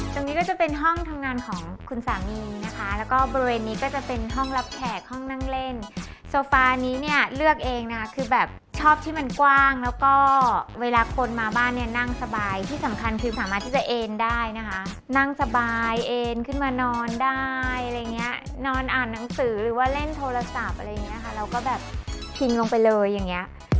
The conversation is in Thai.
ตรงนี้ก็จะเป็นห้องทำงานของคุณสามีนะคะแล้วก็บริเวณนี้ก็จะเป็นห้องรับแขกห้องนั่งเล่นโซฟานี้เนี่ยเลือกเองนะคือแบบชอบที่มันกว้างแล้วก็เวลาคนมาบ้านเนี่ยนั่งสบายที่สำคัญคือสามารถที่จะเอ็นได้นะคะนั่งสบายเอ็นขึ้นมานอนได้อะไรอย่างเงี้ยนอนอ่านหนังสือหรือว่าเล่นโทรศัพท์อะไรอย่างเงี้ยค่ะเราก็แบบพิงลงไปเลยอย่างเงี้ย